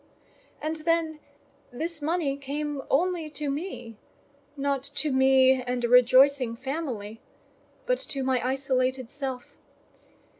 And then this money came only to me: not to me and a rejoicing family, but to my isolated self.